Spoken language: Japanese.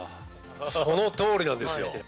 そのとおりなんですよ。